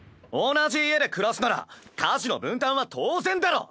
同じ家で暮らすなら家事の分担は当然だろ！